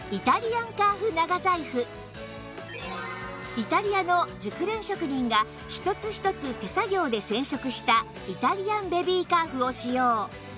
イタリアの熟練職人が一つ一つ手作業で染色したイタリアンベビーカーフを使用